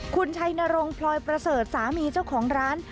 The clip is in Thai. คุณชัยนรงพลอยประเสริฐสามีเจ้าของร้าน